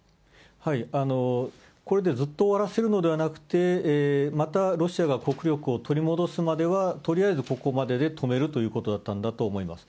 これでずっと終わらせるのではなくて、またロシアが国力を取り戻すまでは、とりあえずここまでで止めるということだったんだと思います。